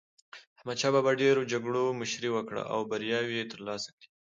احمد شاه بابا د ډېرو جګړو مشري وکړه او بریاوي یې ترلاسه کړې.